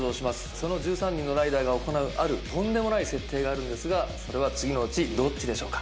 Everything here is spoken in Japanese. その１３人のライダーが行うあるとんでもない設定があるのですがそれは次のうちどっちでしょうか。